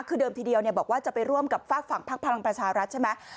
คือเดิมทีเดียวบอกว่าจะไปร่วมกับฝากฝั่งพักพลังประชารัฐใช่ไหม